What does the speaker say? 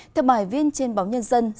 theo bài viết trên báo ngoại truyền